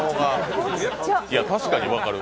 確かに分かる。